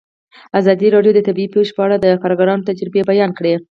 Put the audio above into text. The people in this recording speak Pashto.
ازادي راډیو د طبیعي پېښې په اړه د کارګرانو تجربې بیان کړي.